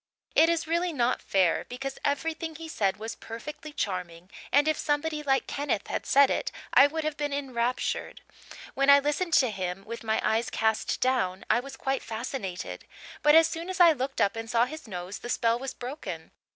It is really not fair, because everything he said was perfectly charming and if somebody like Kenneth had said it I would have been enraptured. When I listened to him with my eyes cast down I was quite fascinated; but as soon as I looked up and saw his nose the spell was broken.